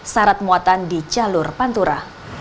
syarat muatan di jalur pantura